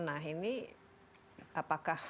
nah ini apakah